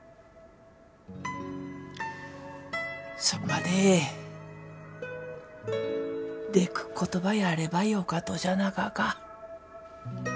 それまででくっことばやればよかとじゃなかか。